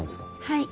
はい。